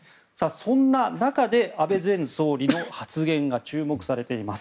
そんな中で安倍前総理の発言が注目されています。